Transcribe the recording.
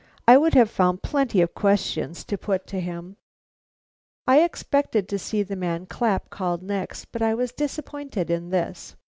I would have found plenty of questions to put to him. I expected to see the man Clapp called next, but I was disappointed in this.